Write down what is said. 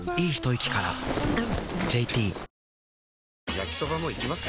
焼きソバもいきます？